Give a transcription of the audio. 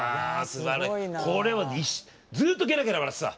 これはずっとゲラゲラ笑ってた。